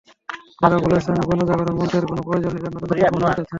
যারা বলছেন, গণজাগরণ মঞ্চের কোনো প্রয়োজন নেই, তারা নতুন নতুন বন্ধু জোটাচ্ছেন।